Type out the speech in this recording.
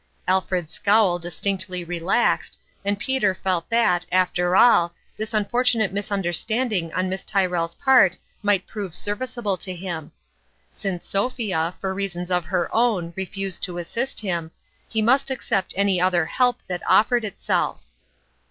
Alfred's scowl distinctly relaxed, and Peter felt that, after all, this unfortunate misunder standing on Miss Tyrrell's part might prove serviceable to him. Since Sophia, for reasons of her own, refused to assist him, he must ac cept any other help that offered itself.